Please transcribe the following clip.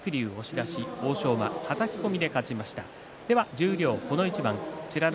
十両この一番は美ノ